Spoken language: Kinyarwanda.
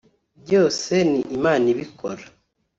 byose ni Imana ibikora